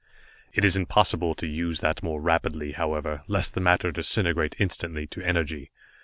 "It is impossible to use that more rapidly, however, lest the matter disintegrate instantly to energy.